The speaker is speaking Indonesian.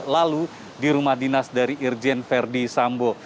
lalu di rumah dinas dari irjen verdi sambo